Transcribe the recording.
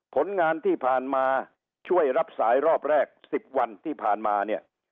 ผลงานที่ผ่านมาช่วยรับสายรอบแรก๑๐วันที่ผ่านมาเนี่ย